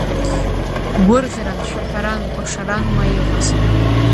Гәырӷьаран, шәаҳәаран, кәашаран уа иҟаз.